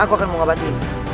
aku akan mengabati